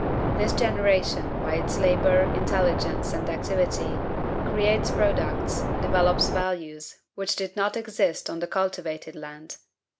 This generation, by its labor, intelligence, and activity, creates products, develops values which did not exist on the uncultivated land.